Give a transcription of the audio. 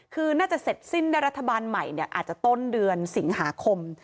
คือน่าจะเสร็จสิ้นได้รัฐบาลใหม่อาจจะต้นเดือนสิงหาคม